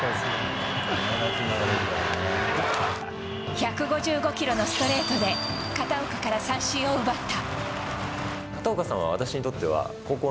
１５５キロのストレートで片岡から三振を奪った。